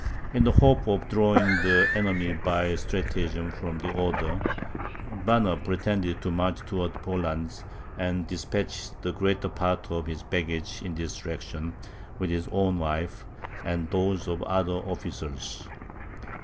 In the hope of drawing the enemy by stratagem from the Oder, Banner pretended to march towards Poland, and despatched the greater part of his baggage in this direction, with his own wife, and those of the other officers.